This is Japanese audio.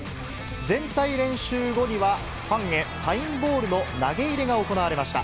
全体練習後には、ファンへサインボールの投げ入れが行われました。